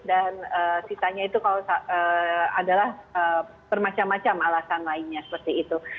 dan sisanya itu adalah bermacam macam alasan lainnya seperti itu